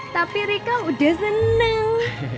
tapi rika udah seneng